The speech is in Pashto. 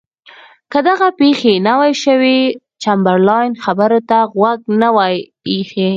که دغه پېښه نه وای شوې چمبرلاین خبرو ته غوږ نه وای ایښی.